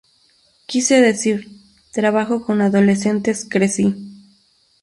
Quiero decir, trabajo con adolescentes, crecí".